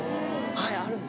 はいあるんです。